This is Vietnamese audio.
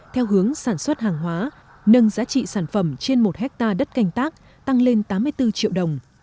theo hướng sản xuất hàng hóa nâng giá trị sản phẩm trên một hectare đất canh tác tăng lên tám mươi bốn triệu đồng